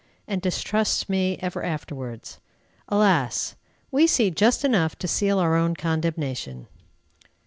and distrusts me ever afterwards. Alas! we see just enough to seal our own condemnation.